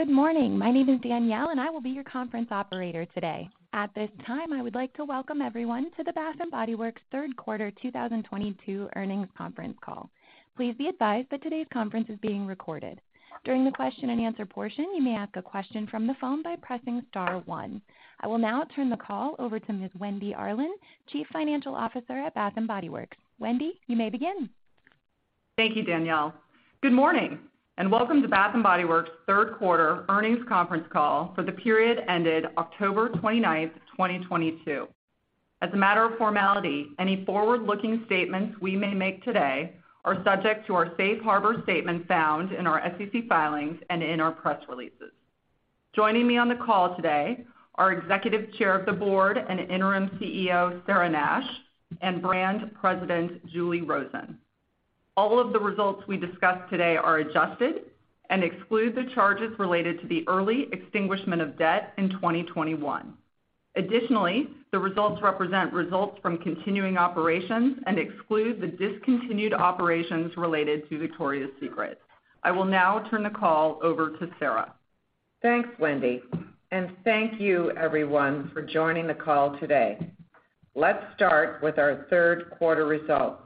Good morning. My name is Danielle, and I will be your conference operator today. At this time, I would like to welcome everyone to the Bath & Body Works third quarter 2022 earnings conference call. Please be advised that today's conference is being recorded. During the question-and-answer portion, you may ask a question from the phone by pressing star one. I will now turn the call over to Ms. Wendy Arlin, Chief Financial Officer at Bath & Body Works. Wendy, you may begin. Thank you, Danielle. Good morning, and welcome to Bath & Body Works' third quarter earnings conference call for the period ended October 29th, 2022. As a matter of formality, any forward-looking statements we may make today are subject to our safe harbor statement found in our SEC filings and in our press releases. Joining me on the call today are Executive Chair of the Board and Interim CEO, Sarah Nash, and Brand President, Julie Rosen. All of the results we discuss today are adjusted and exclude the charges related to the early extinguishment of debt in 2021. Additionally, the results represent results from continuing operations and exclude the discontinued operations related to Victoria's Secret. I will now turn the call over to Sarah. Thanks, Wendy. Thank you everyone for joining the call today. Let's start with our third quarter results.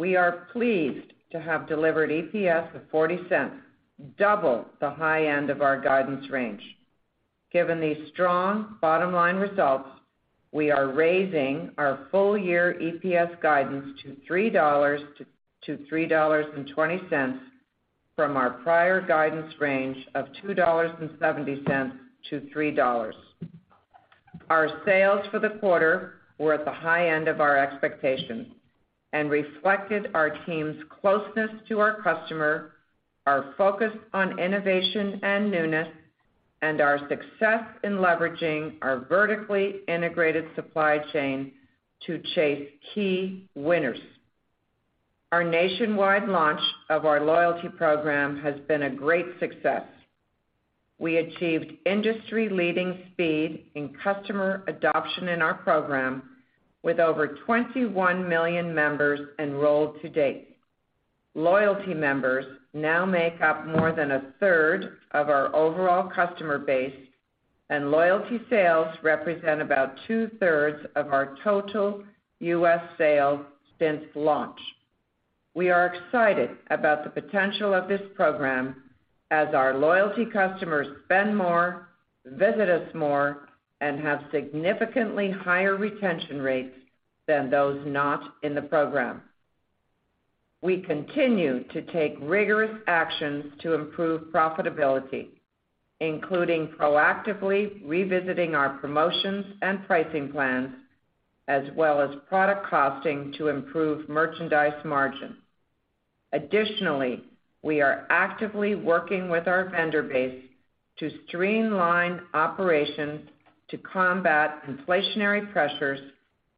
We are pleased to have delivered EPS of $0.40, double the high end of our guidance range. Given these strong bottom-line results, we are raising our full year EPS guidance to $3-$3.20 from our prior guidance range of $2.70-$3. Our sales for the quarter were at the high end of our expectations and reflected our team's closeness to our customer, our focus on innovation and newness, and our success in leveraging our vertically integrated supply chain to chase key winners. Our nationwide launch of our loyalty program has been a great success. We achieved industry-leading speed in customer adoption in our program with over 21 million members enrolled to date. `Loyalty members now make up more than third of our overall customer base, and loyalty sales represent about 2/3 of our total U.S. sales launch. We are excited about the potential of this program, as our loyalty customers spend more, visit us more, and have significantly higher retention rates than those not in the program. We continue to take rigorous actions to improve profitability, including proactively revisiting our promotions and pricing plans, as well as product costing to improve merchandise margins. Additionally, we are actively working with our vendor base to streamline operations to combat inflationary pressures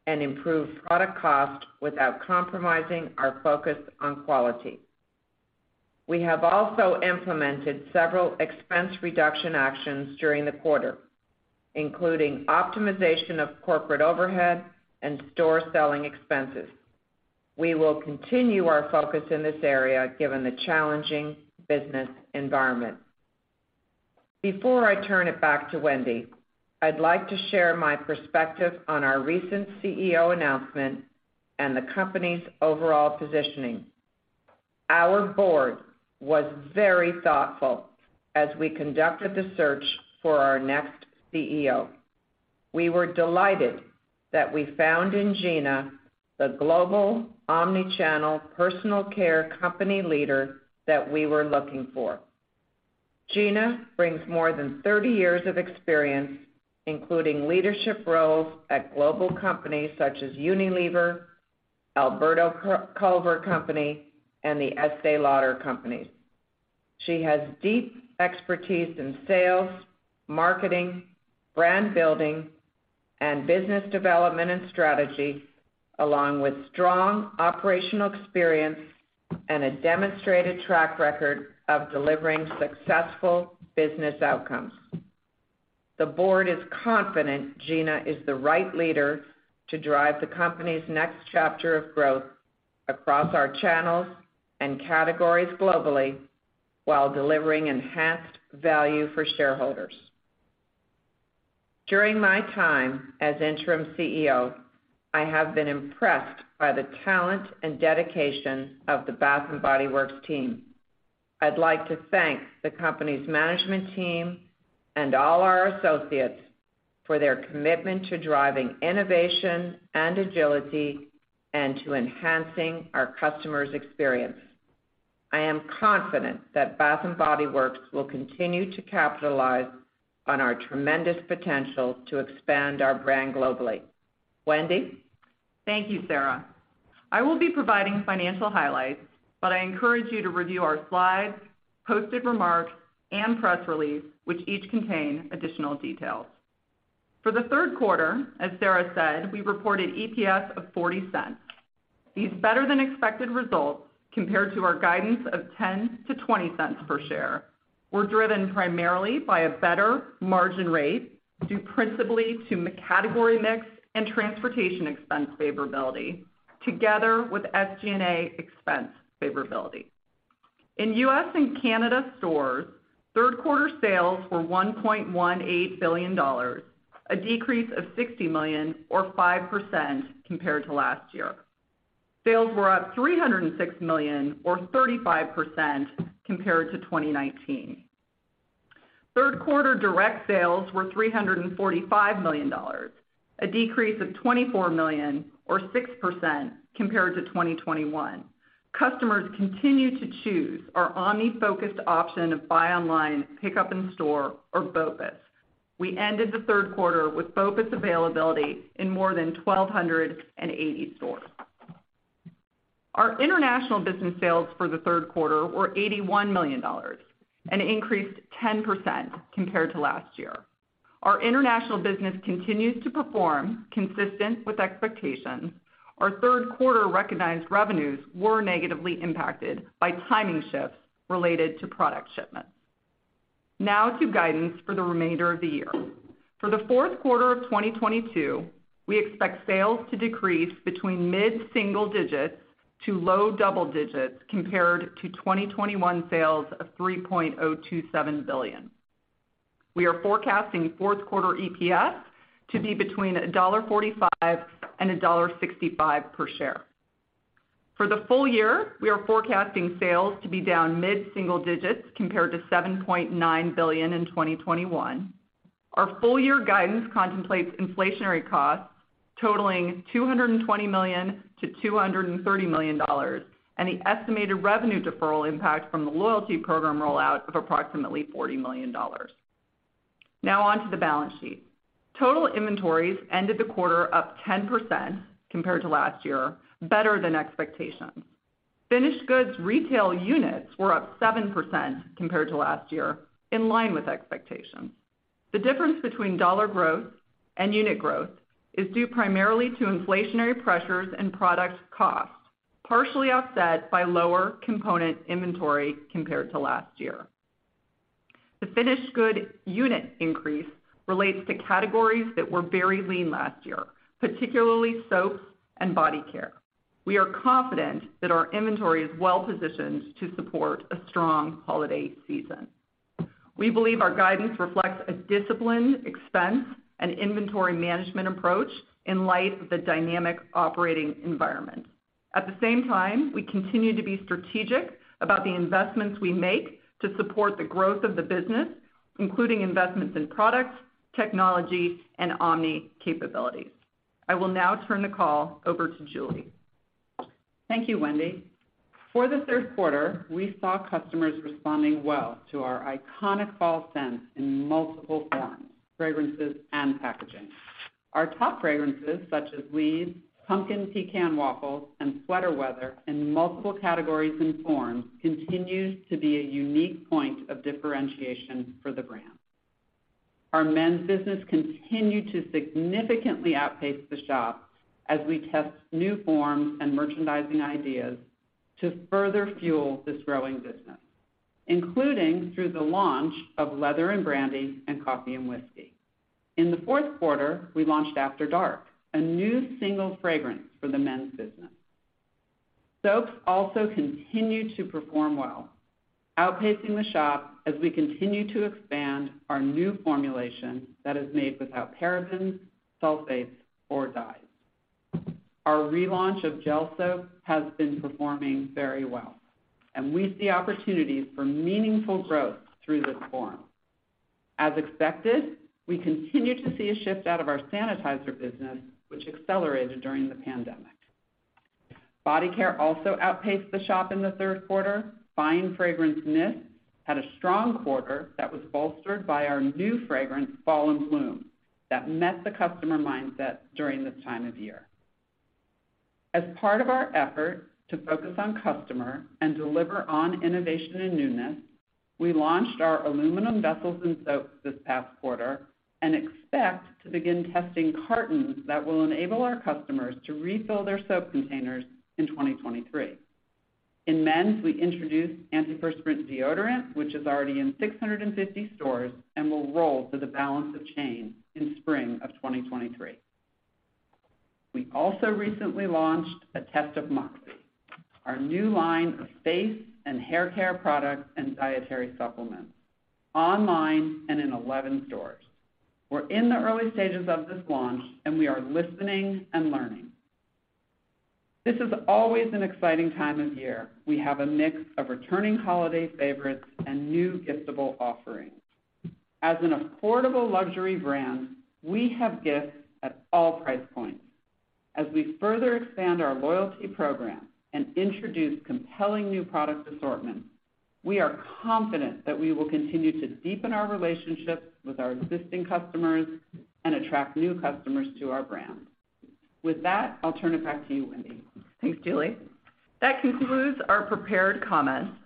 and improve product cost without compromising our focus on quality. We have also implemented several expense reduction actions during the quarter, including optimization of corporate overhead and store selling expenses. We will continue our focus in this area given the challenging business environment. Before I turn it back to Wendy, I'd like to share my perspective on our recent CEO announcement and the company's overall positioning. Our board was very thoughtful as we conducted the search for our next CEO. We were delighted that we found in Gina the global omnichannel personal care company leader that we were looking for. Gina brings more than 30 years of experience, including leadership roles at global companies such as Unilever, Alberto-Culver Company, and The Estée Lauder Companies. She has deep expertise in sales, marketing, brand building, and business development and strategy, along with strong operational experience and a demonstrated track record of delivering successful business outcomes. The board is confident Gina is the right leader to drive the company's next chapter of growth across our channels and categories globally while delivering enhanced value for shareholders. During my time as Interim CEO, I have been impressed by the talent and dedication of the Bath & Body Works team. I'd like to thank the company's management team and all our associates for their commitment to driving innovation and agility and to enhancing our customers' experience. I am confident that Bath & Body Works will continue to capitalize on our tremendous potential to expand our brand globally. Wendy? Thank you, Sarah. I will be providing financial highlights, but I encourage you to review our slides, posted remarks, and press release, which each contain additional details. For the third quarter, as Sarah said, we reported EPS of $0.40. These better-than-expected results, compared to our guidance of $0.10-$0.20 per share, were driven primarily by a better margin rate, due principally to category mix and transportation expense favorability, together with SG&A expense favorability. In U.S. and Canada stores, third quarter sales were $1.18 billion, a decrease of $60 million or 5% compared to last year. Sales were up $306 million or 35% compared to 2019. Third quarter direct sales were $345 million, a decrease of $24 million or 6% compared to 2021. Customers continue to choose our omni-focused option of buy online, pick up in store or BOPUS. We ended the third quarter with BOPUS availability in more than 1,280 stores. Our international business sales for the third quarter were $81 million and increased 10% compared to last year. Our international business continues to perform consistent with expectations. Our third quarter recognized revenues were negatively impacted by timing shifts related to product shipments. Now to guidance for the remainder of the year. For the fourth quarter of 2022, we expect sales to decrease between mid-single digits to low double digits compared to 2021 sales of $3.027 billion. We are forecasting fourth quarter EPS to be between $1.45 and $1.65 per share. For the full year, we are forecasting sales to be down mid-single digits compared to $7.9 billion in 2021. Our full-year guidance contemplates inflationary costs totaling $220 million-$230 million, and the estimated revenue deferral impact from the loyalty program rollout of approximately $40 million. Now on to the balance sheet. Total inventories ended the quarter up 10% compared to last year, better than expectations. Finished goods retail units were up 7% compared to last year, in line with expectations. The difference between dollar growth and unit growth is due primarily to inflationary pressures and product costs, partially offset by lower component inventory compared to last year. The finished good unit increase relates to categories that were very lean last year, particularly soaps and body care. We are confident that our inventory is well-positioned to support a strong holiday season. We believe our guidance reflects a disciplined expense and inventory management approach in light of the dynamic operating environment. At the same time, we continue to be strategic about the investments we make to support the growth of the business, including investments in products, technology, and omni capabilities. I will now turn the call over to Julie. Thank you, Wendy. For the third quarter, we saw customers responding well to our iconic fall scents in multiple forms, fragrances, and packaging. Our top fragrances such as Leaves, Pumpkin Pecan Waffles, and Sweater Weather in multiple categories and forms continues to be a unique point of differentiation for the brand. Our men's business continued to significantly outpace the shop as we test new forms and merchandising ideas to further fuel this growing business, including through the launch of Leather & Brandy and Coffee & Whiskey. In the fourth quarter, we launched After Dark, a new single fragrance for the men's business. Soaps also continued to perform well, outpacing the shop as we continue to expand our new formulation that is made without parabens, sulfates, or dyes. Our relaunch of gel soap has been performing very well, and we see opportunities for meaningful growth through this form. As expected, we continue to see a shift out of our sanitizer business, which accelerated during the pandemic. Body care also outpaced the shop in the third quarter. Fine Fragrance Mist had a strong quarter that was bolstered by our new fragrance, Fall in Bloom, that met the customer mindset during this time of year. As part of our effort to focus on customer and deliver on innovation and newness, we launched our aluminum vessels in soaps this past quarter and expect to begin testing cartons that will enable our customers to refill their soap containers in 2023. In men's, we introduced antiperspirant deodorant, which is already in 650 stores and will roll through the balance of chain in spring of 2023. We also recently launched a test of MOXY, our new line of face and hair care products and dietary supplements, online and in 11 stores. We're in the early stages of this launch, and we are listening and learning. This is always an exciting time of year. We have a mix of returning holiday favorites and new giftable offerings. As an affordable luxury brand, we have gifts at all price points. As we further expand our loyalty program and introduce compelling new product assortments, we are confident that we will continue to deepen our relationships with our existing customers and attract new customers to our brand. With that, I'll turn it back to you, Wendy. Thanks, Julie. That concludes our prepared comments.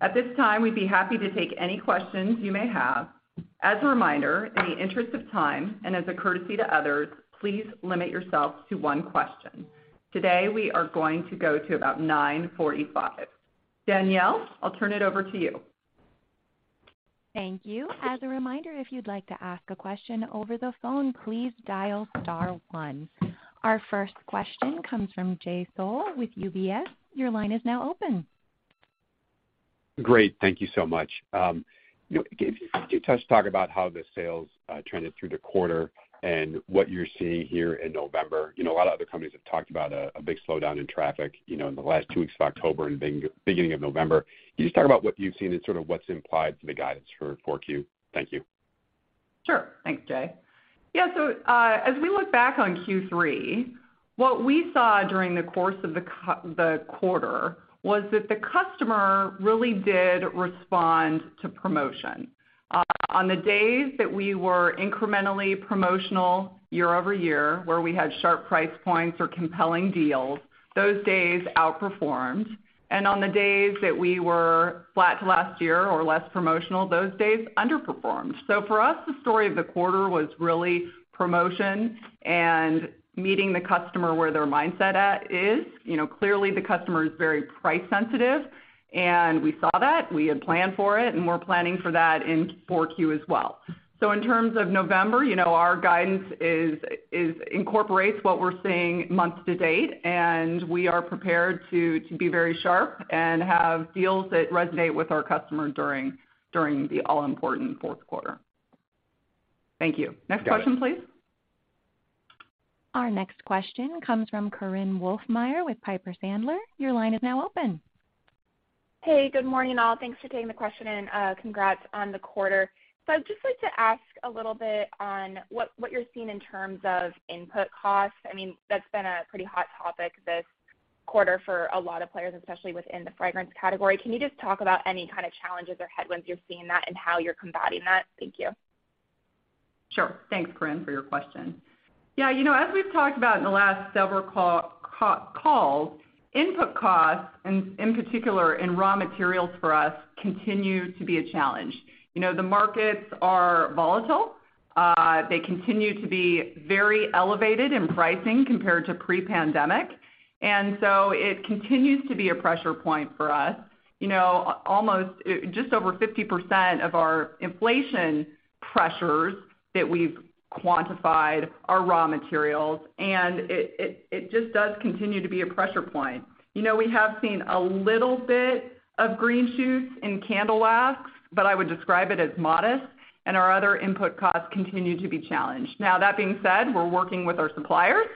At this time, we'd be happy to take any questions you may have. As a reminder, in the interest of time and as a courtesy to others, please limit yourself to one question. Today, we are going to go to about 9:45 A.M. Danielle, I'll turn it over to you. Thank you. As a reminder, if you'd like to ask a question over the phone, please dial star one. Our first question comes from Jay Sole with UBS. Your line is now open. Great. Thank you so much. Um, you know, could you touch, talk about how the sales, uh, trended through the quarter and what you're seeing here in November? You know, a lot of other companies have talked about a big slowdown in traffic, you know, in the last two weeks of October and beg-beginning of November. Can you just talk about what you've seen and sort of what's implied to the guidance for 4Q? Thank you. Sure. Thanks, Jay. Yeah. As we look back on Q3, what we saw during the course of the quarter was that the customer really did respond to promotion. On the days that we were incrementally promotional year-over-year, where we had sharp price points or compelling deals, those days outperformed. On the days that we were flat to last year or less promotional, those days underperformed. For us, the story of the quarter was really promotion and meeting the customer where their mindset at is. You know, clearly the customer is very price sensitive, and we saw that. We had planned for it, and we're planning for that in 4Q as well. In terms of November, you know, our guidance incorporates what we're seeing month-to-date, and we are prepared to be very sharp and have deals that resonate with our customers during the all-important fourth quarter. Thank you. Next question, please. Our next question comes from Korinne Wolfmeyer with Piper Sandler. Your line is now open. Hey, good morning, all. Thanks for taking the question, and congrats on the quarter. I'd just like to ask a little bit on what you're seeing in terms of input costs. I mean, that's been a pretty hot topic this quarter for a lot of players, especially within the fragrance category. Can you just talk about any kind of challenges or headwinds you're seeing in that and how you're combating that? Thank you. Sure. Thanks, Korinne, for your question. Yeah, you know, as we've talked about in the last several calls, input costs, and in particular in raw materials for us, continue to be a challenge. You know, the markets are volatile. They continue to be very elevated in pricing compared to pre-pandemic, and so it continues to be a pressure point for us. You know, just over 50% of our inflation pressures that we've quantified are raw materials, and it just does continue to be a pressure point. You know, we have seen a little bit of green shoots in candle wax, but I would describe it as modest, and our other input costs continue to be challenged. Now, that being said, we're working with our suppliers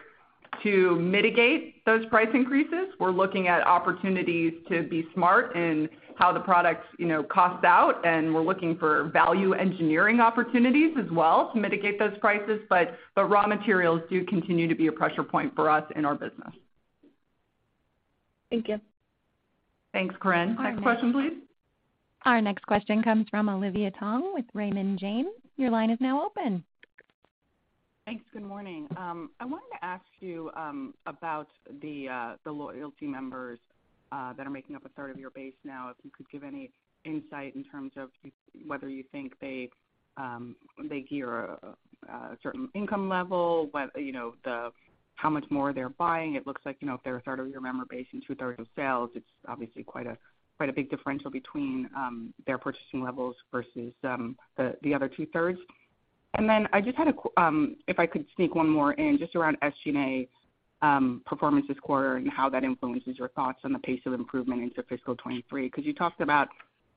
to mitigate those price increases. We're looking at opportunities to be smart in how the products, you know, cost out, and we're looking for value engineering opportunities as well to mitigate those prices. Raw materials do continue to be a pressure point for us in our business. Thank you. Thanks, Korinne. Next question, please. Our next question comes from Olivia Tong with Raymond James. Your line is now open. Thanks. Good morning. I wanted to ask you about the loyalty members that are making up 1/3 of your base now. If you could give any insight in terms of whether you think they gear a certain income level, you know, how much more they're buying. It looks like, you know, if they're 1/3 of your member base and 2/3 of sales, it's obviously quite a big differential between their purchasing levels versus the other 2/3. If I could sneak one more in, just around SG&A performance this quarter and how that influences your thoughts on the pace of improvement into fiscal 2023. Because you talked about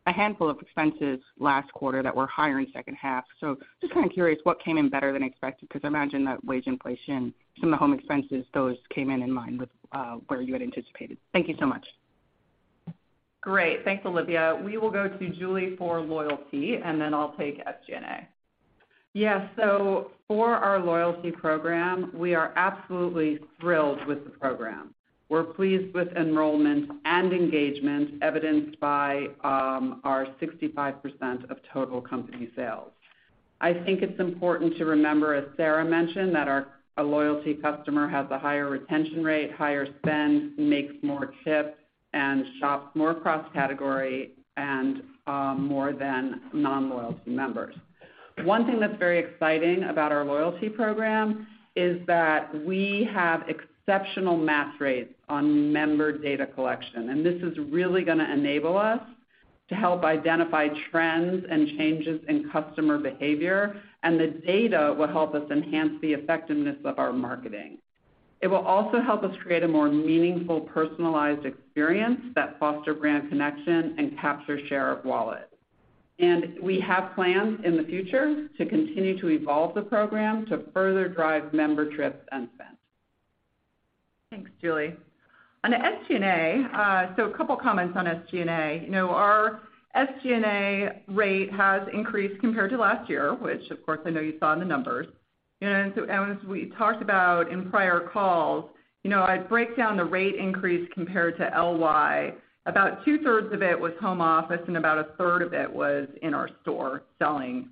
a handful of expenses last quarter that were higher in second half. Just kind of curious what came in better than expected, because I imagine that wage inflation, some of the home expenses, those came in in line with where you had anticipated. Thank you so much. Great. Thanks, Olivia. We will go to Julie for loyalty, and then I'll take SG&A. Yeah. For our loyalty program, we are absolutely thrilled with the program. We're pleased with enrollment and engagement evidenced by our 65% of total company sales. I think it's important to remember, as Sarah mentioned, that a loyalty customer has a higher retention rate, higher spend, makes more trips, and shops more cross-category and more than non-loyalty members. One thing that's very exciting about our loyalty program is that we have exceptional match rates on member data collection. This is really gonna enable us to help identify trends and changes in customer behavior, and the data will help us enhance the effectiveness of our marketing. It will also help us create a more meaningful, personalized experience that foster brand connection and capture share of wallet. We have plans in the future to continue to evolve the program to further drive member trips and spend. Thanks, Julie. On SG&A, a couple comments on SG&A. You know, our SG&A rate has increased compared to last year, which of course I know you saw in the numbers. As we talked about in prior calls, you know, I'd break down the rate increase compared to LY. About 2/3 of it was home office and about 1/3 of it was in our store selling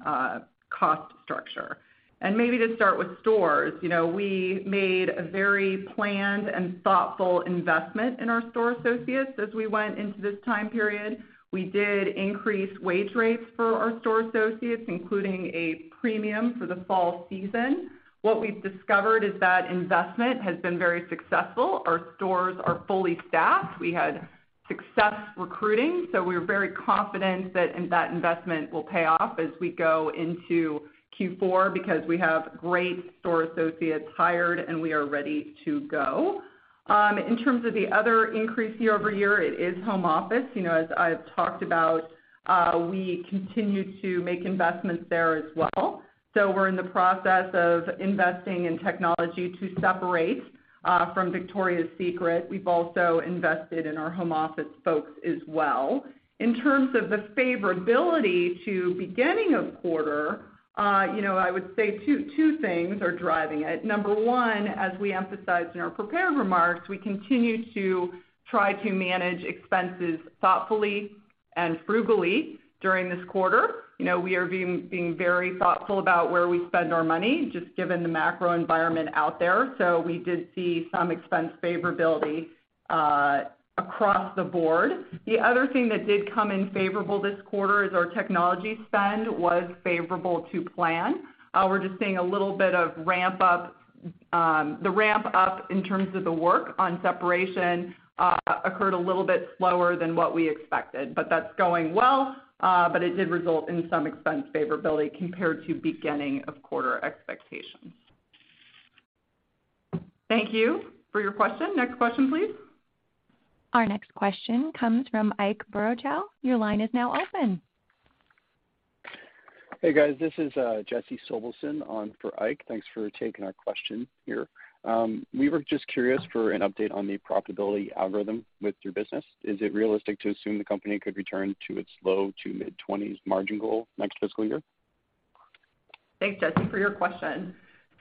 cost structure. Maybe to start with stores, you know, we made a very planned and thoughtful investment in our store associates as we went into this time period. We did increase wage rates for our store associates, including a premium for the fall season. What we've discovered is that investment has been very successful. Our stores are fully staffed. We had success recruiting, so we're very confident that investment will pay off as we go into Q4 because we have great store associates hired, and we are ready to go. In terms of the other increase year-over-year, it is home office. You know, as I've talked about, we continue to make investments there as well. We're in the process of investing in technology to separate from Victoria's Secret. We've also invested in our home office folks as well. In terms of the favorability to beginning of quarter, you know, I would say two things are driving it. Number one, as we emphasized in our prepared remarks, we continue to try to manage expenses thoughtfully and frugally during this quarter. You know, we are being very thoughtful about where we spend our money, just given the macro environment out there. We did see some expense favorability across the board. The other thing that did come in favorable this quarter is our technology spend was favorable to plan. We're just seeing a little bit of ramp up. The ramp up in terms of the work on separation occurred a little bit slower than what we expected. That's going well. It did result in some expense favorability compared to beginning of quarter expectations. Thank you for your question. Next question, please. Our next question comes from Ike Boruchow. Your line is now open. Hey, guys. This is Jesse Sobelson on for Ike. Thanks for taking our question here. We were just curious for an update on the profitability algorithm with your business. Is it realistic to assume the company could return to its low- to mid-20s margin goal next fiscal year? Thanks, Jesse, for your question.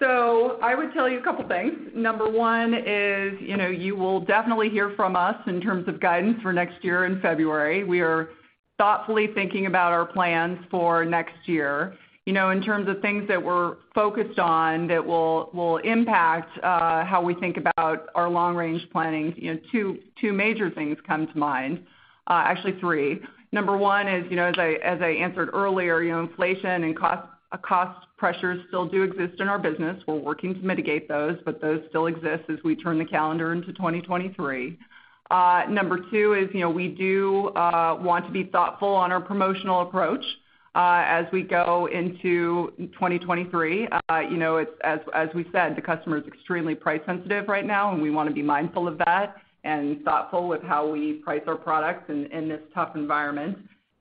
I would tell you a couple things. Number one is, you know, you will definitely hear from us in terms of guidance for next year in February. We are thoughtfully thinking about our plans for next year. You know, in terms of things that we're focused on that will impact how we think about our long-range planning, you know, two major things come to mind. Actually, three. Number one is, you know, as I answered earlier, you know, inflation and cost pressures still do exist in our business. We're working to mitigate those, but those still exist as we turn the calendar into 2023. Number two is, you know, we do want to be thoughtful on our promotional approach as we go into 2023. You know, it's as we said, the customer is extremely price sensitive right now, and we wanna be mindful of that and thoughtful with how we price our products in this tough environment.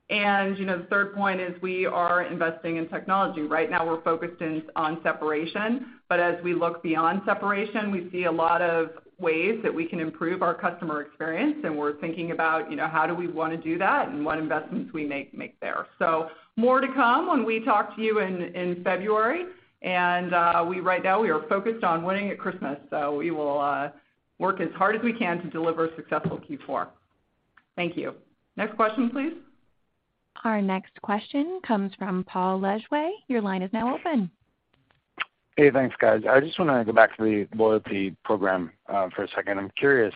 You know, the third point is we are investing in technology. Right now, we're focused in on separation, but as we look beyond separation, we see a lot of ways that we can improve our customer experience, and we're thinking about, you know, how do we wanna do that and what investments we make there. More to come when we talk to you in February. Right now we are focused on winning at Christmas, so we will work as hard as we can to deliver a successful Q4. Thank you. Next question, please. Our next question comes from Paul Lejuez. Your line is now open. Hey, thanks, guys. I just wanna go back to the loyalty program for a second. I'm curious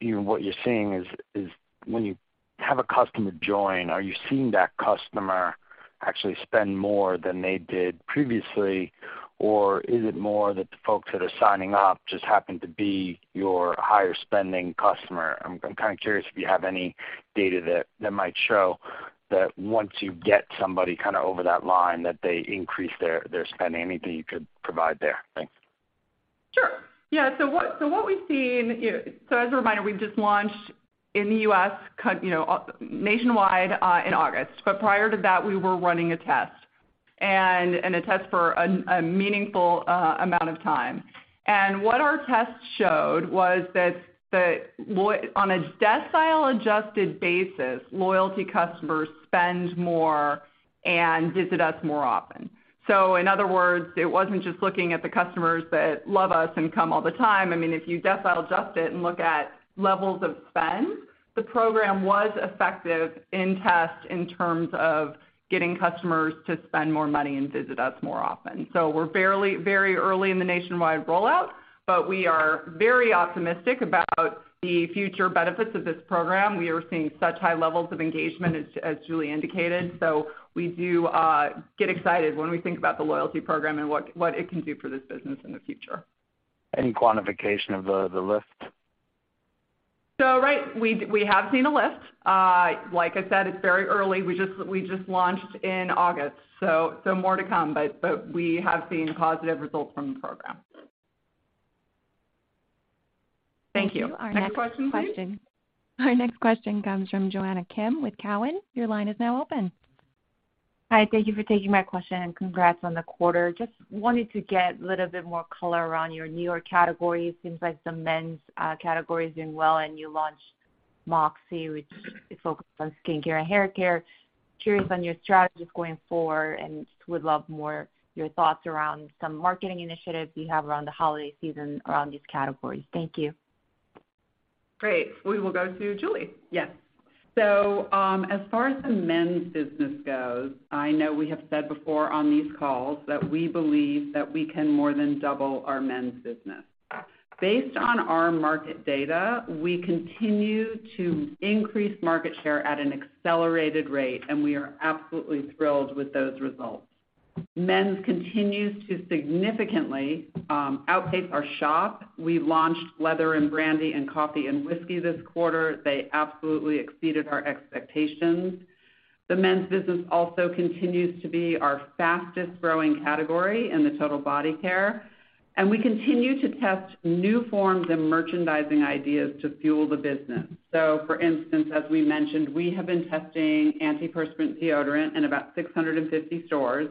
what you're seeing is when you have a customer join, are you seeing that customer actually spend more than they did previously? Is it more that the folks that are signing up just happen to be your higher spending customer? I'm kinda curious if you have any data that might show that once you get somebody kinda over that line, that they increase their spending. Anything you could provide there? Thanks. Sure. Yeah, what we've seen. As a reminder, we've just launched in the U.S., you know, nationwide in August. Prior to that, we were running a test for a meaningful amount of time. What our test showed was that, on a decile adjusted basis, loyalty customers spend more and visit us more often. In other words, it wasn't just looking at the customers that love us and come all the time. I mean, if you decile adjust it and look at levels of spend, the program was effective in test in terms of getting customers to spend more money and visit us more often. We're barely very early in the nationwide rollout, but we are very optimistic about the future benefits of this program. We are seeing such high levels of engagement as Julie indicated. We do get excited when we think about the loyalty program and what it can do for this business in the future. Any quantification of the lift? Right, we have seen a lift. Like I said, it's very early. We just launched in August, so more to come, but we have seen positive results from the program. Thank you. Next question, please. Our next question comes from Jonna Kim with Cowen. Your line is now open. Hi, thank you for taking my question, and congrats on the quarter. Just wanted to get a little bit more color around your newer categories. Seems like the men's category is doing well, and you launched MOXY, which is focused on skincare and hair care. Curious on your strategies going forward and would love more your thoughts around some marketing initiatives you have around the holiday season around these categories. Thank you. Great. We will go to Julie. Yes. As far as the men's business goes, I know we have said before on these calls that we believe that we can more than double our men's business. Based on our market data, we continue to increase market share at an accelerated rate, and we are absolutely thrilled with those results. Men's continues to significantly outpace our shop. We launched Leather & Brandy and Coffee & Whiskey this quarter. They absolutely exceeded our expectations. The men's business also continues to be our fastest-growing category in the total body care, and we continue to test new forms and merchandising ideas to fuel the business. For instance, as we mentioned, we have been testing antiperspirant deodorant in about 650 stores,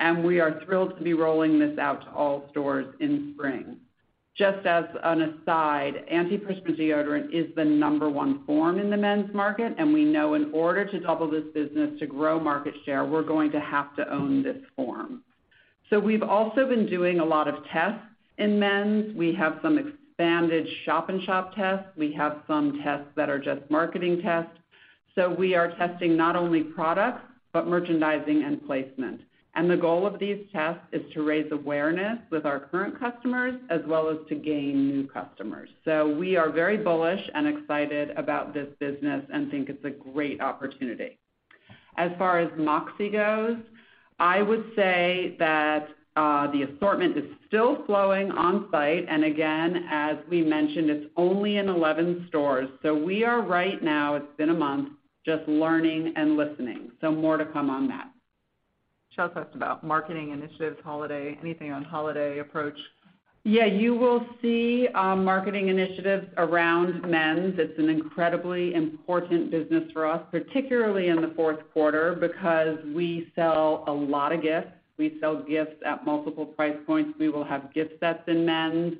and we are thrilled to be rolling this out to all stores in spring. Just as an aside, antiperspirant deodorant is the number one form in the men's market, and we know in order to double this business to grow market share, we're going to have to own this form. We've also been doing a lot of tests in men's. We have some expanded shop in shop tests. We have some tests that are just marketing tests. We are testing not only products, but merchandising and placement. The goal of these tests is to raise awareness with our current customers as well as to gain new customers. We are very bullish and excited about this business and think it's a great opportunity. As far as MOXY goes, I would say that the assortment is still flowing on site. Again, as we mentioned, it's only in 11 stores. We are right now, it's been a month, just learning and listening. More to come on that. Julie, tell us about marketing initiatives, holiday, anything on holiday approach. Yeah. You will see marketing initiatives around men's. It's an incredibly important business for us, particularly in the fourth quarter because we sell a lot of gifts. We sell gifts at multiple price points. We will have gift sets in men's.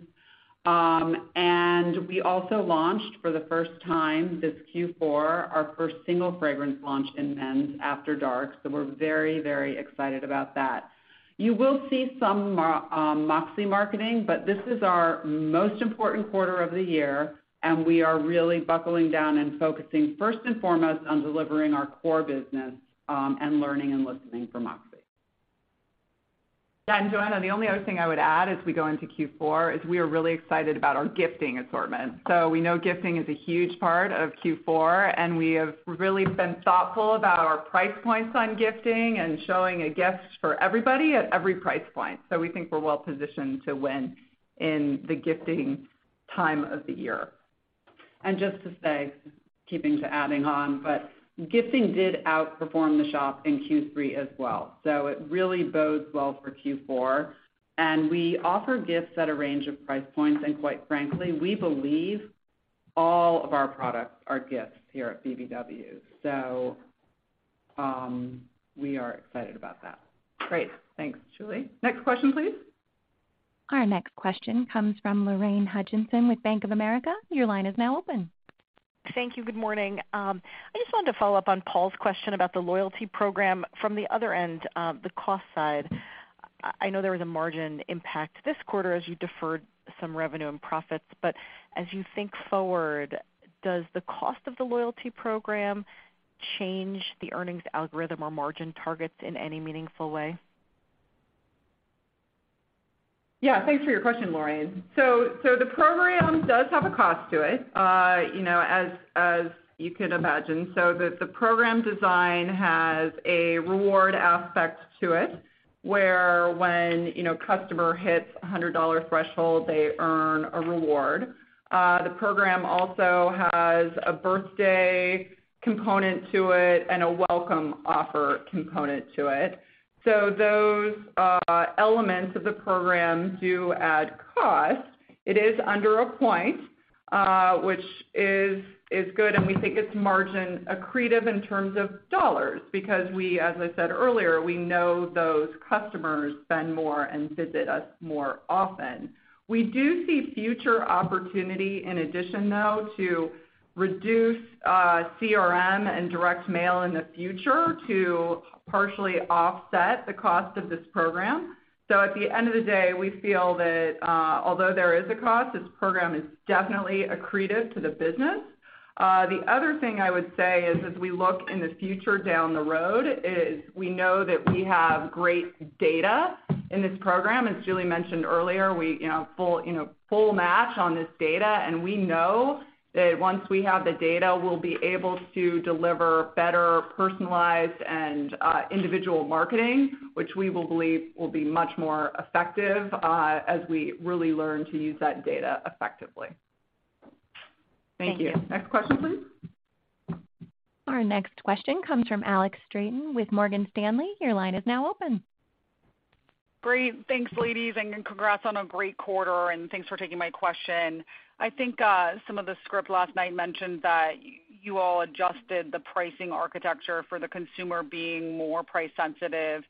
We also launched for the first time this Q4, our first single fragrance launch in men's, After Dark. We're very, very excited about that. You will see some MOXY marketing, but this is our most important quarter of the year, and we are really buckling down and focusing first and foremost on delivering our core business and learning and listening for MOXY. Yeah. Jonna, the only other thing I would add as we go into Q4 is we are really excited about our gifting assortment. We know gifting is a huge part of Q4, and we have really been thoughtful about our price points on gifting and showing a gift for everybody at every price point. We think we're well-positioned to win in the gifting time of the year. Just to say, keeping to adding on, but gifting did outperform the shop in Q3 as well. It really bodes well for Q4. We offer gifts at a range of price points, and quite frankly, we believe all of our products are gifts here at BBW. We are excited about that. Great. Thanks, Julie. Next question, please. Our next question comes from Lorraine Hutchinson with Bank of America. Your line is now open. Thank you. Good morning. I just wanted to follow up on Paul's question about the loyalty program from the other end, the cost side. I know there was a margin impact this quarter as you deferred some revenue and profits. As you think forward, does the cost of the loyalty program change the earnings algorithm or margin targets in any meaningful way? Yeah, thanks for your question, Lorraine. The program does have a cost to it, you know, as you can imagine. The program design has a reward aspect to it, where when, you know, customer hits a $100 threshold, they earn a reward. The program also has a birthday component to it and a welcome offer component to it. Those elements of the program do add cost. It is under a point, which is good, and we think it's margin accretive in terms of dollars because we, as I said earlier, we know those customers spend more and visit us more often. We do see future opportunity in addition, though, to reduce CRM and direct mail in the future to partially offset the cost of this program. At the end of the day, we feel that, although there is a cost, this program is definitely accretive to the business. The other thing I would say is as we look in the future down the road is we know that we have great data in this program. As Julie mentioned earlier, we, you know, full match on this data, and we know that once we have the data, we'll be able to deliver better personalized and individual marketing, which we will believe will be much more effective as we really learn to use that data effectively. Thank you. Thank you. Next question, please. Our next question comes from Alex Straton with Morgan Stanley. Your line is now open. Great. Thanks, ladies, and congrats on a great quarter, and thanks for taking my question. I think some of the script last night mentioned that you all adjusted the pricing architecture for the consumer being more price sensitive.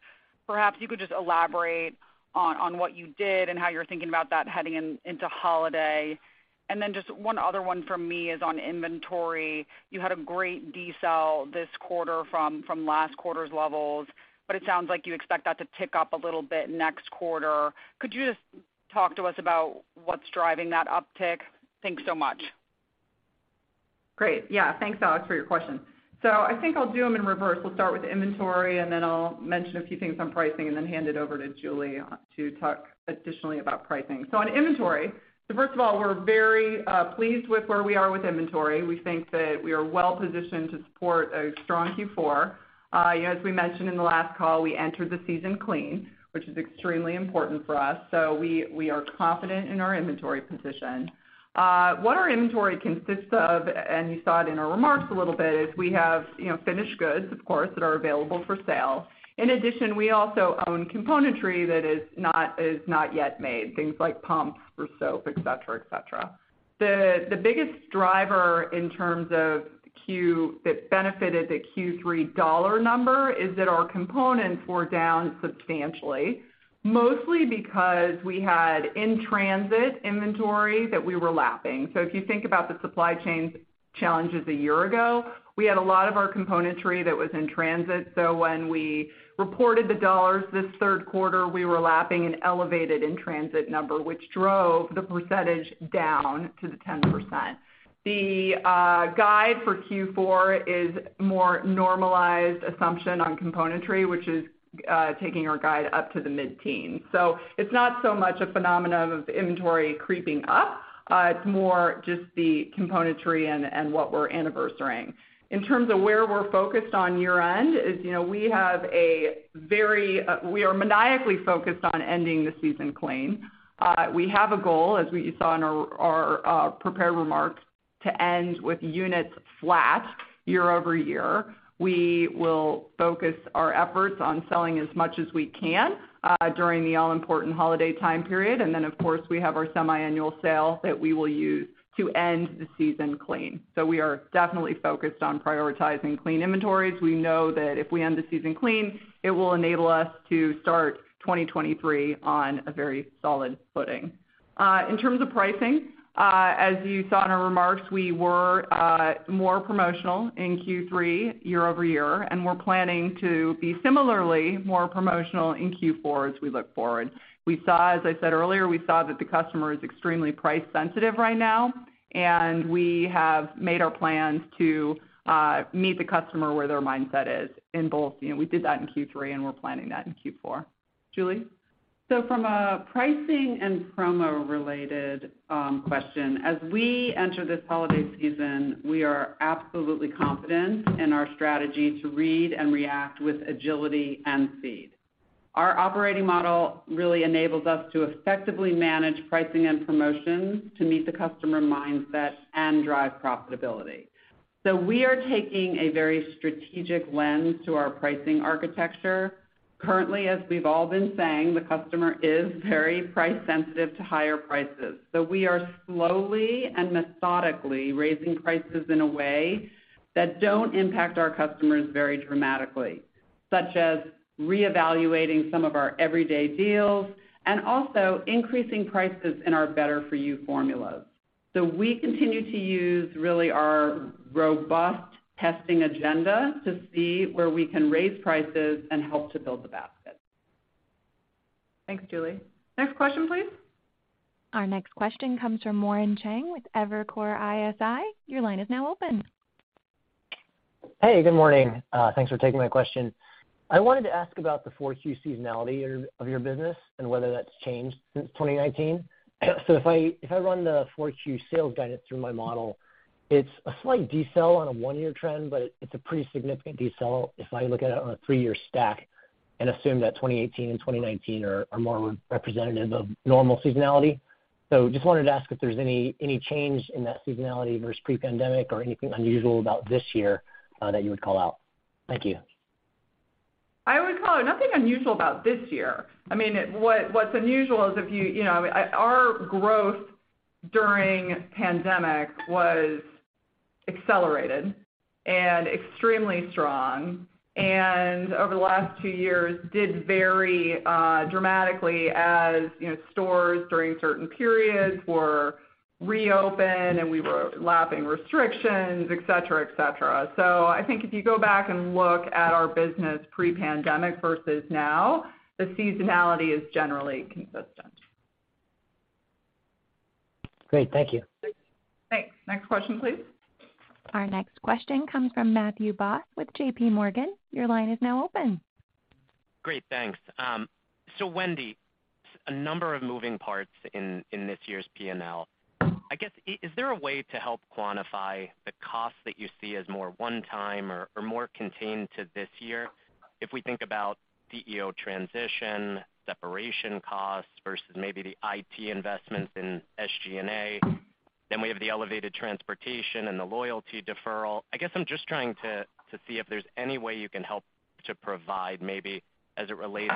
Perhaps you could just elaborate on what you did and how you're thinking about that heading into holiday. Just one other one from me is on inventory. You had a great decel this quarter from last quarter's levels. It sounds like you expect that to tick up a little bit next quarter. Could you just talk to us about what's driving that uptick? Thanks so much. Great. Yeah, thanks, Alex, for your question. I think I'll do them in reverse. We'll start with inventory, and then I'll mention a few things on pricing, and then hand it over to Julie to talk additionally about pricing. On inventory, first of all, we're very pleased with where we are with inventory. We think that we are well-positioned to support a strong Q4. As we mentioned in the last call, we entered the season clean, which is extremely important for us. We are confident in our inventory position. What our inventory consists of, and you saw it in our remarks a little bit, is we have, you know, finished goods, of course, that are available for sale. In addition, we also own componentry that is not yet made, things like pumps for soap, et cetera, et cetera. The biggest driver that benefited the Q3 dollar number is that our components were down substantially, mostly because we had in-transit inventory that we were lapping. If you think about the supply chain challenges a year ago, we had a lot of our componentry that was in transit. When we reported the dollars this third quarter, we were lapping an elevated in-transit number, which drove the percentage down to the 10%. The guide for Q4 is more normalized assumption on componentry, which is taking our guide up to the mid-teens. It's not so much a phenomenon of inventory creeping up. It's more just the componentry and what we're anniversarying. In terms of where we're focused on year-end is, you know, we are maniacally focused on ending the season clean. We have a goal, as you saw in our prepared remarks, to end with units flat year-over-year. We will focus our efforts on selling as much as we can during the all-important holiday time period. Of course, we have our semiannual sale that we will use to end the season clean. We are definitely focused on prioritizing clean inventories. We know that if we end the season clean, it will enable us to start 2023 on a very solid footing. In terms of pricing, as you saw in our remarks, we were more promotional in Q3 year-over-year, and we're planning to be similarly more promotional in Q4 as we look forward. We saw, as I said earlier, that the customer is extremely price sensitive right now, and we have made our plans to meet the customer where their mindset is in both. You know, we did that in Q3, and we're planning that in Q4. Julie. From a pricing and promo-related question, as we enter this holiday season, we are absolutely confident in our strategy to read and react with agility and speed. Our operating model really enables us to effectively manage pricing and promotions to meet the customer mindset and drive profitability. We are taking a very strategic lens to our pricing architecture. Currently, as we've all been saying, the customer is very price-sensitive to higher prices. We are slowly and methodically raising prices in a way that don't impact our customers very dramatically, such as reevaluating some of our everyday deals and also increasing prices in our better-for-you formulas. We continue to use really our robust testing agenda to see where we can raise prices and help to build the basket. Thanks, Julie. Next question, please. Our next question comes from Warren Cheng with Evercore ISI. Your line is now open. Hey, good morning. Thanks for taking my question. I wanted to ask about the 4Q seasonality of your business and whether that's changed since 2019. If I run the 4Q sales guidance through my model, it's a slight decel on a one-year trend, but it's a pretty significant decel if I look at it on a three-year stack and assume that 2018 and 2019 are more representative of normal seasonality. Just wanted to ask if there's any change in that seasonality versus pre-pandemic or anything unusual about this year that you would call out. Thank you. I would call it nothing unusual about this year. I mean, what's unusual is, you know, our growth during pandemic was accelerated and extremely strong. Over the last two years did vary dramatically as, you know, stores during certain periods were reopened, and we were lapping restrictions, et cetera, et cetera. I think if you go back and look at our business pre-pandemic versus now, the seasonality is generally consistent. Great. Thank you. Thanks. Next question, please. Our next question comes from Matthew Boss with JPMorgan. Your line is now open. Great, thanks. Wendy, a number of moving parts in this year's P&L. I guess, is there a way to help quantify the cost that you see as more one-time or more contained to this year? If we think about CEO transition, separation costs versus maybe the IT investments in SG&A, then we have the elevated transportation and the loyalty deferral. I guess I'm just trying to see if there's any way you can help to provide maybe as it relates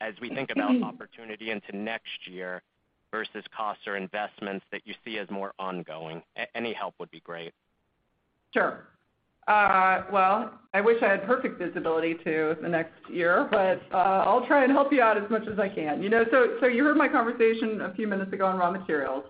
as we think about opportunity into next year versus costs or investments that you see as more ongoing. Any help would be great. Sure. Well, I wish I had perfect visibility to the next year, but I'll try and help you out as much as I can. You know, you heard my conversation a few minutes ago on raw materials.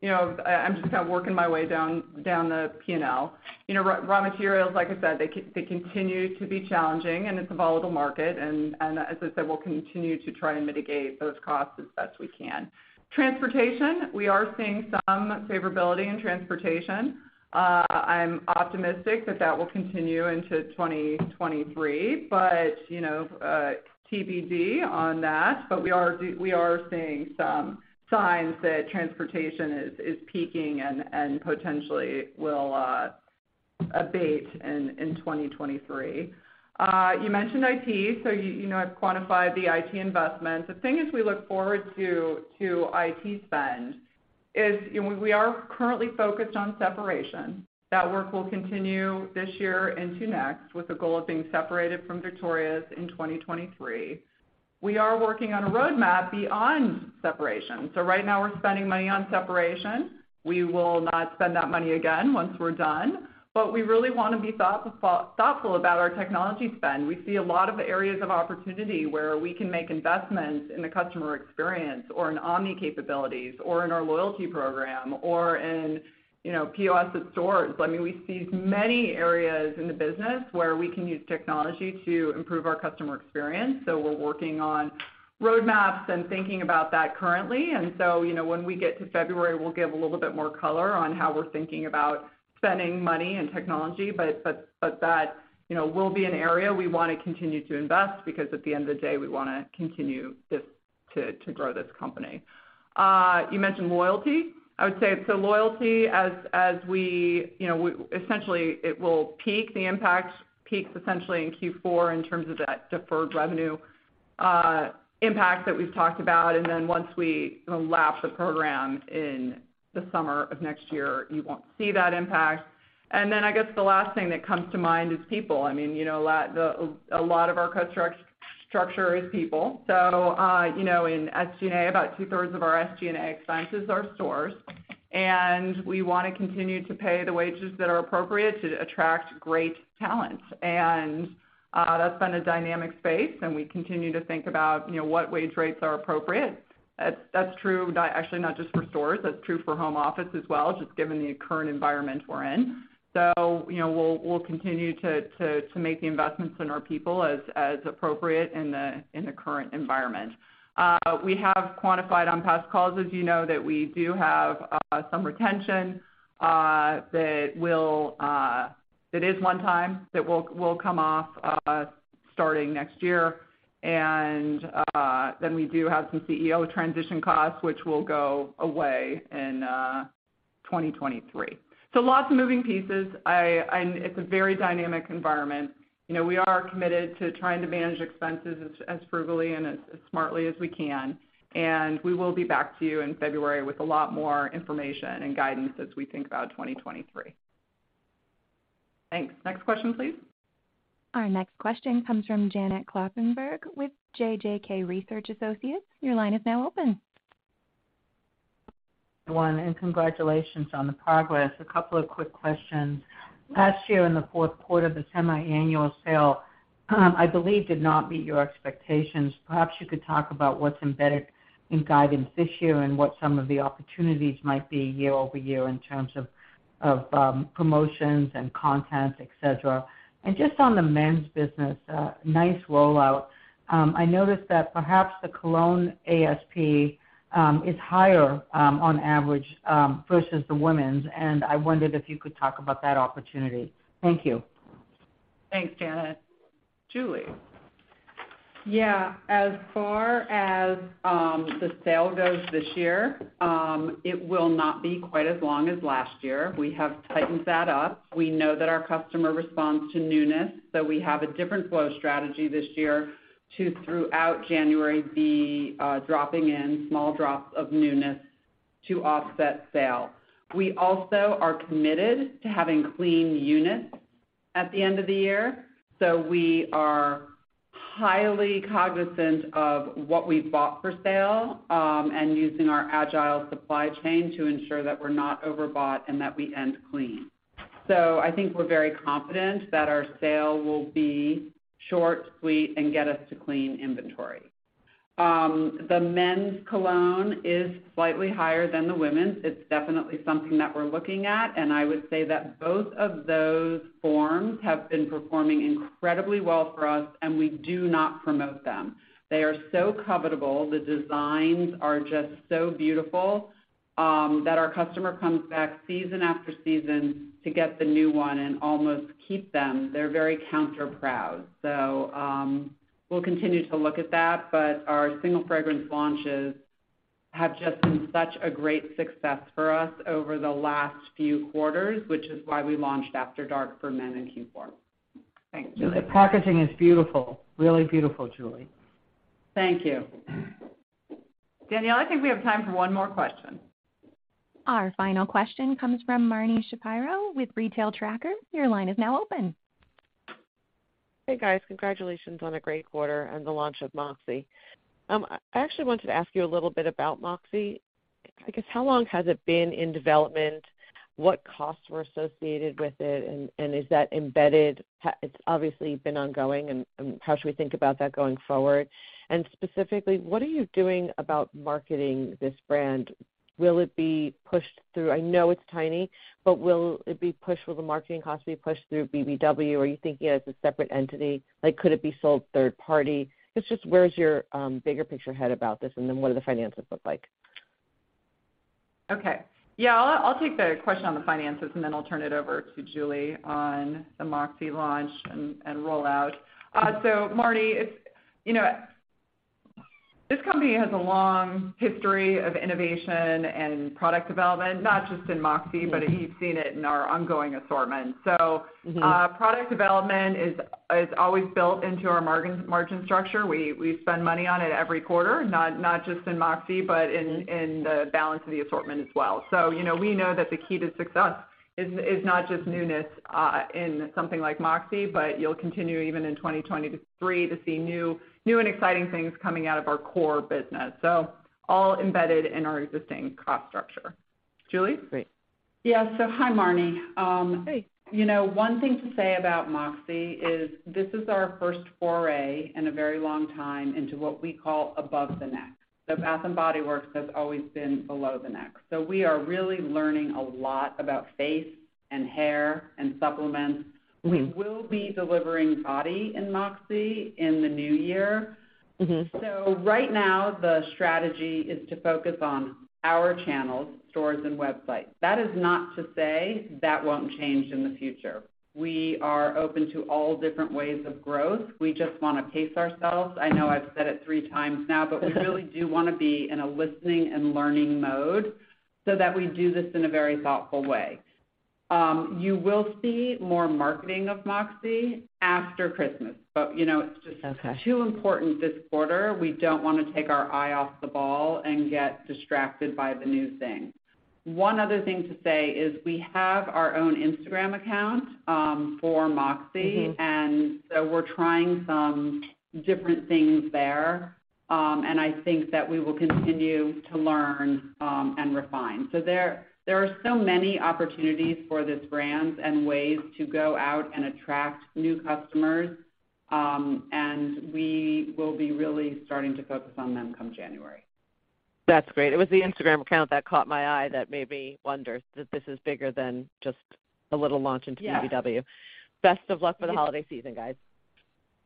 You know, I'm just kind of working my way down the P&L. You know, raw materials, like I said, they continue to be challenging, and it's a volatile market. As I said, we'll continue to try and mitigate those costs as best we can. Transportation, we are seeing some favorability in transportation. I'm optimistic that that will continue into 2023, but, you know, TBD on that. We are seeing some signs that transportation is peaking and potentially will abate in 2023. You mentioned IT, you know I've quantified the IT investments. The thing as we look forward to IT spend is, you know, we are currently focused on separation. That work will continue this year into next, with the goal of being separated from Victoria's in 2023. We are working on a roadmap beyond separation. Right now we're spending money on separation. We will not spend that money again once we're done. We really wanna be thoughtful about our technology spend. We see a lot of areas of opportunity where we can make investments in the customer experience or in omni capabilities or in our loyalty program or in, you know, POS at stores. I mean, we see many areas in the business where we can use technology to improve our customer experience, so we're working on roadmaps and thinking about that currently. You know, when we get to February, we'll give a little bit more color on how we're thinking about spending money in technology. That, you know, will be an area we wanna continue to invest because at the end of the day, we wanna continue to grow this company. You mentioned loyalty. I would say, so loyalty, you know, the impact peaks essentially in Q4 in terms of that deferred revenue impact that we've talked about, and then once we lap the program in the summer of next year, you won't see that impact. I guess the last thing that comes to mind is people. I mean, you know, a lot of our cost structure is people. You know, in SG&A, about two-thirds of our SG&A expenses are stores. We wanna continue to pay the wages that are appropriate to attract great talent. That's been a dynamic space, and we continue to think about, you know, what wage rates are appropriate. That's true actually not just for stores, that's true for home office as well, just given the current environment we're in. You know, we'll continue to make the investments in our people as appropriate in the current environment. We have quantified on past calls, as you know, that we do have some retention that is one time, that will come off starting next year. We do have some CEO transition costs, which will go away in 2023. Lots of moving pieces. It's a very dynamic environment. You know, we are committed to trying to manage expenses as frugally and as smartly as we can, and we will be back to you in February with a lot more information and guidance as we think about 2023. Thanks. Next question, please. Our next question comes from Janet Kloppenburg with JJK Research Associates. Your line is now open. One, congratulations on the progress. A couple of quick questions. Last year in the fourth quarter, the semiannual sale, I believe did not meet your expectations. Perhaps you could talk about what's embedded in guidance this year and what some of the opportunities might be year-over-year in terms of promotions and content, et cetera. Just on the men's business, nice rollout. I noticed that perhaps the cologne ASP is higher on average versus the women's, and I wondered if you could talk about that opportunity. Thank you. Thanks, Janet. Julie. Yeah. As far as the sale goes this year, it will not be quite as long as last year. We have tightened that up. We know that our customer responds to newness, so we have a different flow strategy this year to, throughout January, be dropping in small drops of newness to offset sale. We also are committed to having clean units at the end of the year, so we are highly cognizant of what we bought for sale and using our agile supply chain to ensure that we're not overbought and that we end clean. I think we're very confident that our sale will be short, sweet, and get us to clean inventory. The men's cologne is slightly higher than the women's. It's definitely something that we're looking at, and I would say that both of those forms have been performing incredibly well for us, and we do not promote them. They are so covetable, the designs are just so beautiful that our customer comes back season after season to get the new one and almost keep them. They're very counter-proud. We'll continue to look at that, but our single fragrance launches have just been such a great success for us over the last few quarters, which is why we launched After Dark for Men in Q4. Thanks, Julie. The packaging is beautiful. Really beautiful, Julie. Thank you. Danielle, I think we have time for one more question. Our final question comes from Marni Shapiro with Retail Tracker. Your line is now open. Hey guys, congratulations on a great quarter and the launch of MOXY. I actually waned to ask you a little bit about MOXY. How long has it been in development? What costs were associated with it? And is that embedded? It's obviously been ongoing, and how should we think about that going forward? And specifically, what are you doing about marketing this brand? Will it pushed through? I know it's tiny, but will it pushed with the marketing cost? Will it pushed through BBW? Or do you think it's a separate entity? Could it be sold third party? Just where's your bigger picture head about this, and then what do the finances look like? Okay. Yeah, I'll take the question on the finances, and then I'll turn it over to Julie on the MOXY launch and rollout. Marni, you know, this company has a long history of innovation and product development, not just in MOXY, but you've seen it in our ongoing assortment. Mm-hmm. Product development is always built into our margin structure. We spend money on it every quarter, not just in MOXY. Mm-hmm In the balance of the assortment as well. You know, we know that the key to success is not just newness in something like MOXY, but you'll continue even in 2023 to see new and exciting things coming out of our core business. All embedded in our existing cost structure. Julie? Great. Yeah. Hi, Marni. Hey You know, one thing to say about MOXY is this is our first foray in a very long time into what we call above the neck. Bath & Body Works has always been below the neck. We are really learning a lot about face and hair and supplements. Mm-hmm. We will be delivering body in MOXY in the new year. Mm-hmm. Right now the strategy is to focus on our channels, stores and websites. That is not to say that won't change in the future. We are open to all different ways of growth. We just wanna pace ourselves. I know I've said it three times now, but we really do wanna be in a listening and learning mode so that we do this in a very thoughtful way. You will see more marketing of MOXY after Christmas. Okay Too important this quarter. We don't wanna take our eye off the ball and get distracted by the new thing. One other thing to say is we have our own Instagram account for MOXY. Mm-hmm. We're trying some different things there. I think that we will continue to learn and refine. There are so many opportunities for this brand and ways to go out and attract new customers. We will be really starting to focus on them come January. That's great. It was the Instagram account that caught my eye that made me wonder that this is bigger than just a little launch into BBW. Yeah. Best of luck for the holiday season, guys.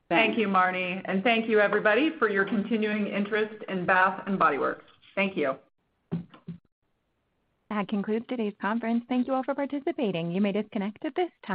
Thank you, Marni, and thank you everybody for your continuing interest in Bath & Body Works. Thank you. That concludes today's conference. Thank you all for participating. You may disconnect at this time.